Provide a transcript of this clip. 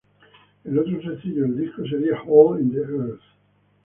El otro sencillo del disco sería "Hole in the Earth".